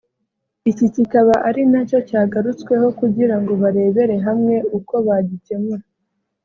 iki kikaba ari nacyo cyagarutsweho kugira ngo barebere hamwe uko bagikemura